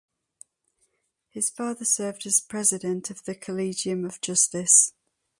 His father served as president of the Collegium of Justice.